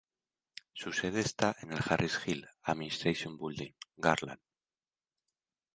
Su sede está en el Harris Hill Administration Building, Garland.